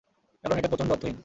কারণ এটা প্রচণ্ড অর্থহীন।